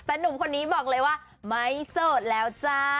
แต่หนุ่มคนนี้บอกเลยว่าไม่โสดแล้วจ้า